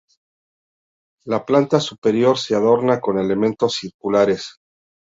La planta superior se adorna con elementos circulares.